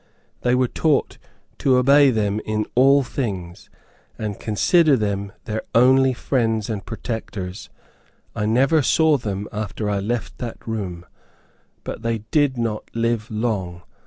They were taught to obey them in all things, and consider them their only friends and protectors. I never saw them after I left that room, but they did not live long.